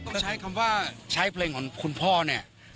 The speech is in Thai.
จะใช้คำว่าใช้เพลงของคุณพ่อเนี่ย